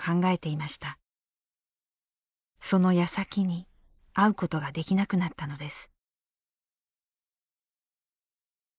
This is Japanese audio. そのやさきに会うことができなくなったのです。